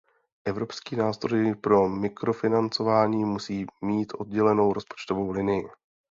Evropský nástroj pro mikrofinancování musí mít oddělenou rozpočtovou linii.